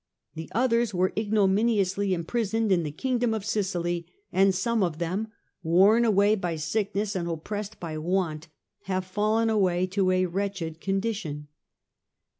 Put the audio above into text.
The others were ignominiously imprisoned in the Kingdom of Sicily, and some of them, worn away by sickness and oppressed by want, have fallen away to a wretched condition.